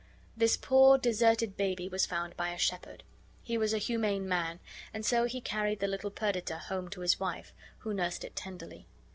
This poor, deserted baby was found by a shepherd. He was a humane man, and so he carried the little Perdita home to his wife, who nursed it tenderly.